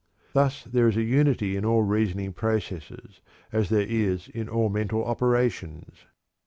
Thus there is a unity in all reasoning processes as there is in all mental operations.